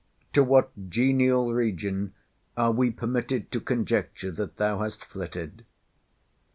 to what genial region are we permitted to conjecture that thou has flitted.